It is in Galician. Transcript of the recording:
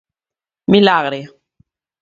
Milagre!